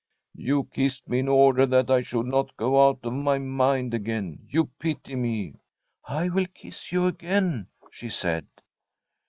* You kissed me in order that I should not go out of my mind again. You pity me.' ' I will kiss you again,' she said.